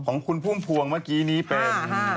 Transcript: ของคุณพุ่มพวงเมื่อกี้นี้เป็น